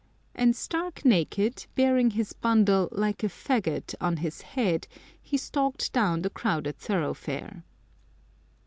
And stark naked, bearing his bundle " like a faggot " on his head, he stalked down the crowded thoroughfare.